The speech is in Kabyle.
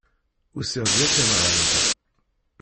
Usiɣ-d yakan ɣer da.